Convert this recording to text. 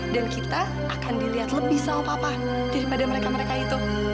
dan kita akan dilihat lebih sawah papa daripada mereka mereka itu